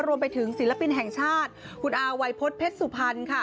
รวมไปถึงศิลปินแห่งชาติคุณอาวัยพฤษเพชรสุพรรณค่ะ